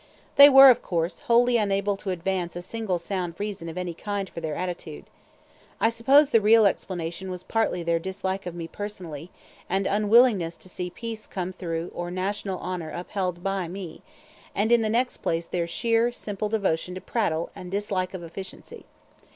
They were, of course, wholly unable to advance a single sound reason of any kind for their attitude. I suppose the real explanation was partly their dislike of me personally, and unwillingness to see peace come through or national honor upheld by me; and in the next place their sheer, simple devotion to prattle and dislike of efficiency.